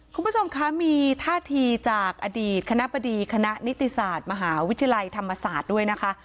คุณผู้ชมคะมีท่าทีจากอดีตคณะบดีคณะนิติศาสตร์มหาวิทยาลัยธรรมศาสตร์ด้วยนะคะ